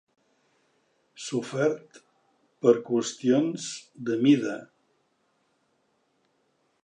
Sofert per qüestions de mida.